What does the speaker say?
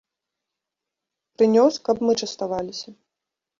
Прынёс, каб мы частаваліся.